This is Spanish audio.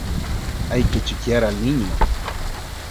¡Hay que chiquear al niño!